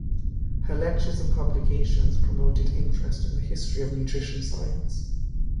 Her lectures and publications promoted interest in the history of nutrition science.